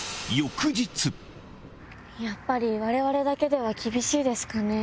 やっぱり我々だけでは厳しいですかね。